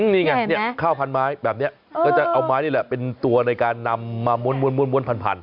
นี่ไงข้าวพันไม้แบบนี้ก็จะเอาไม้นี่แหละเป็นตัวในการนำมาม้วนพัน